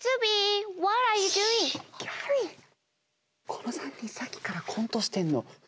この３人さっきからコントしてんの。